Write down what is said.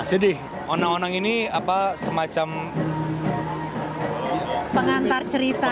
jadi onang onang ini apa semacam pengantar cerita